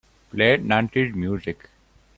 Play nineties music.